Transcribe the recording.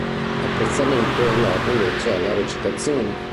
Apprezzamento è andato invece alla recitazione.